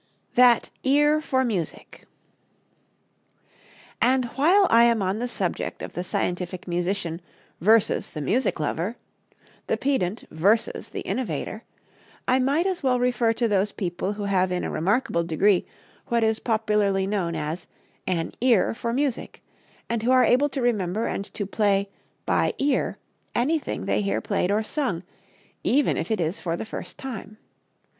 That "Ear for Music." And while I am on the subject of the scientific musician versus the music lover, the pedant versus the innovator, I might as well refer to those people who have in a remarkable degree what is popularly known as "an ear for music," and who are able to remember and to play "by ear" anything they hear played or sung, even if it is for the first time.